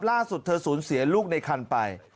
ล่าสุดเธอสูญเสียลูกในคันไป